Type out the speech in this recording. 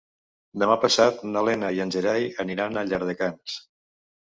Demà passat na Lena i en Gerai aniran a Llardecans.